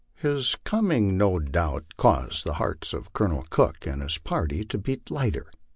His coming no doubt caused the hearts of Colonel Cook and his party to beat lighter.